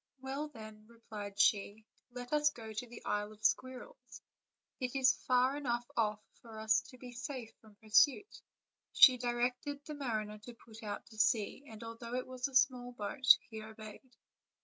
"Well, then," replied she, "let us go to the Isle of Squirrels; it is far enough off for us to be safe from pur suit." She directed the mariner to put out to sea, and although it was a small boat, he obeyed.